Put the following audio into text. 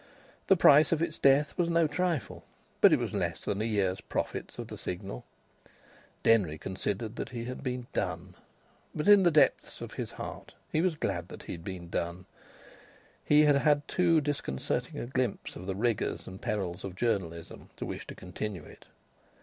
The price of its death was no trifle, but it was less than a year's profits of the Signal. Denry considered that he had been "done." But in the depths of his heart he was glad that he had been done. He had had too disconcerting a glimpse of the rigours and perils of journalism to wish to continue it.